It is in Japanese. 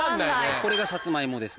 これサツマイモです。